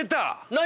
何？